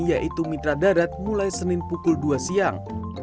yaitu mitra darat mulai senin pukul dua siang